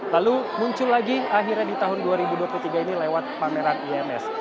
lalu muncul lagi akhirnya di tahun dua ribu dua puluh tiga ini lewat pameran ims